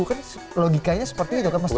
kan logikanya seperti itu kan mas